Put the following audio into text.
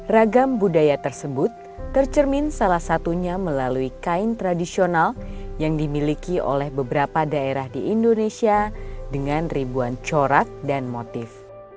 ragam budaya tersebut tercermin salah satunya melalui kain tradisional yang dimiliki oleh beberapa daerah di indonesia dengan ribuan corak dan motif